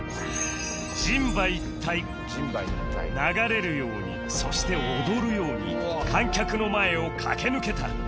流れるようにそして踊るように観客の前を駆け抜けた